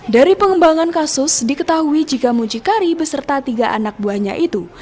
dari pengembangan kasus diketahui jika mucikari beserta tiga anak buahnya itu